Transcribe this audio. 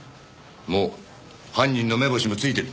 もう犯人の目星もついてる。